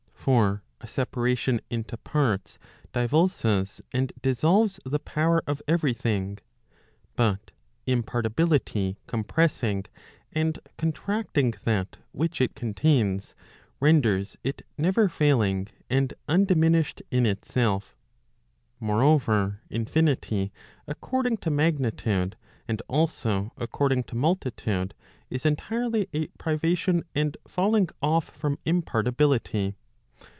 For a separation into parts divulses and dissolves the power of every thing. But impartiality compressing and contracting that which it contains, renders it never failing, and undimi¬ nished in itself. Moreover, infinity, according to magnitude, and also according to multitude, is entirely a privation and falling off from impartibility.